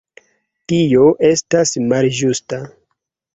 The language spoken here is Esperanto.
Tio estas malĝusta.